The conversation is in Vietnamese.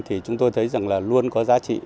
thì chúng tôi thấy rằng là luôn có giá trị